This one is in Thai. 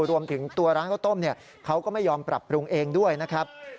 รวมถึงตัวร้านข้าวต้มเขาก็ไม่ยอมปรับปรุงเองด้วยนะครับ